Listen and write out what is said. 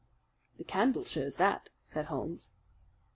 "The candle shows that," said Holmes.